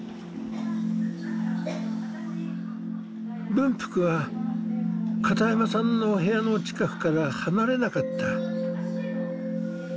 文福は片山さんの部屋の近くから離れなかった。